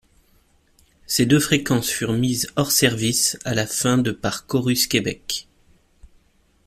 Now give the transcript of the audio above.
Ces deux fréquences furent mises hors-service à la fin de par Corus Québec.